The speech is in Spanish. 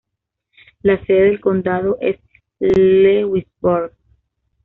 La sede del condado es Lewisburg.